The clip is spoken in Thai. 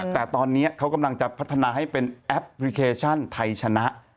แต่ตอนนี้เขากำลังจะพัฒนาให้เป็นแอปพลิเคชันไทยชนะ